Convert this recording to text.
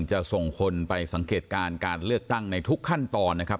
จะส่งคนไปสังเกตการณ์การเลือกตั้งในทุกขั้นตอนนะครับ